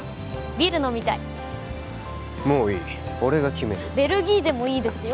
ビール飲みたいもういい俺が決めるベルギーでもいいですよ